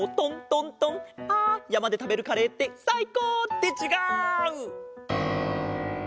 あやまでたべるカレーってさいこう！ってちがう！